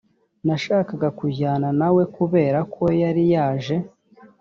nashakaga kujyana na we kubera ko yari yaje